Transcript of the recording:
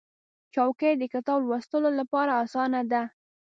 چوکۍ د کتاب لوستلو لپاره اسانه ده.